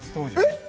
えっ？